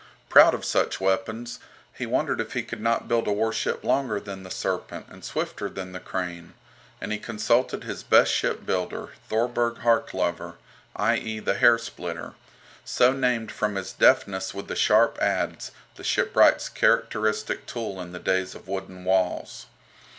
Proud of such weapons, he wondered if he could not build a warship longer than the "Serpent" and swifter than the "Crane," and he consulted his best shipbuilder, Thorberg Haarklover, i.e. the "Hair splitter," so named from his deftness with the sharp adze, the shipwright's characteristic tool in the days of wooden walls.